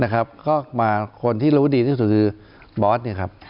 ก็มาคนที่รู้ดีที่สุดคือบอสเนี่ยครับ